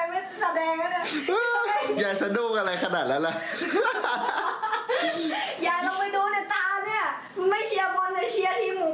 ไม่เชียร์บอลแต่เชียร์ทีมหมูป่าคาเดอมี่นะเนี่ย